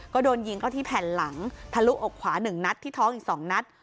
ก็โดนยิงก็ที่แผ่นหลังทะลุอกขวาหนึ่งนัดที่ท้องอีกสองนัด